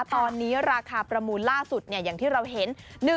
ตอนนี้ราคาประมูลล่าสุดอย่างที่เราเห็น